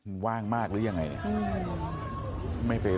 มึงว่างมากหรือยังไง